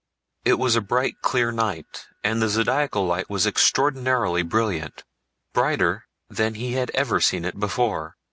It was a bright, clear night, and the Zodiacal Light was extraordinarily brilliant—brighter than he had ever seen it before.